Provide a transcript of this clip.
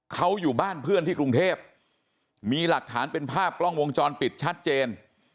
เขาอยู่บ้านเพื่อนที่กรุงเทพมีหลักฐานเป็นภาพกล้องวงจรปิดชัดเจน